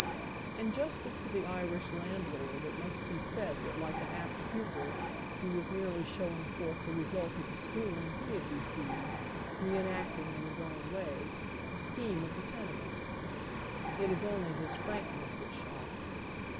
In justice to the Irish landlord it must be said that like an apt pupil he was merely showing forth the result of the schooling he had received, re enacting, in his own way, the scheme of the tenements. It ia only his frankness that shocks.